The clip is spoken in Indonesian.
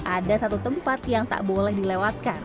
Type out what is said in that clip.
ada satu tempat yang tak boleh dilewatkan